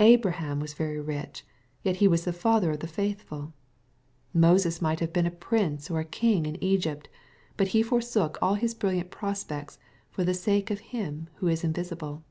Abraham was very rich, yet he was the father of the faithful. Moses might have been a prince or king in Egypt, but he forsook all his brilliant prospects for the sake of Him who is invisible.